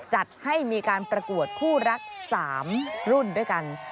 จัดให้มีการประกวดคู่รัก๓รุ่นด้วยกัน